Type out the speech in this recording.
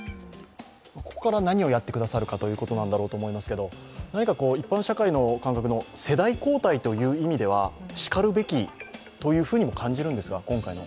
ここから何をやってくださるかということだと思うんですけど一般社会の感覚の世代交代という意味ではしかるべきというふうにも感じるんですが、今回。